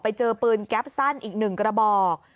ไปเจอปืนแก๊ปสั้นอีก๑กระบอก